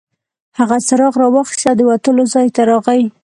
هغه څراغ راواخیست او د وتلو ځای ته راغی.